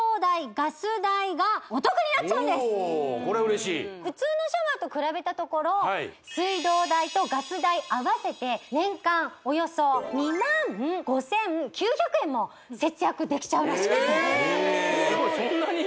これ嬉しい普通のシャワーと比べたところ水道代とガス代合わせて年間およそ２万５９００円も節約できちゃうらしくってすごいそんなに？